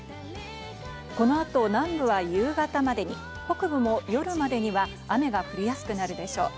この後、南部は夕方までに、北部も夜までには雨が降りやすくなるでしょう。